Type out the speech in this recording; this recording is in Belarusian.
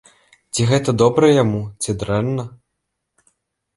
Ці гэта добра яму, ці дрэнна?